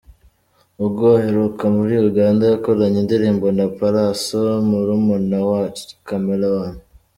Ubwo aheruka muri Uganda yakoranye indirimbo na Pallaso murumuna wa Chameleone.